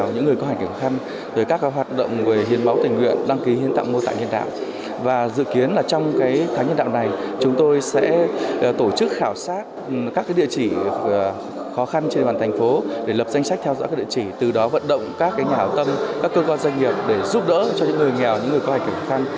chúng tôi sẽ phát động các nhà hào tâm các cơ quan doanh nghiệp để giúp đỡ cho những người nghèo những người có hành trình khó khăn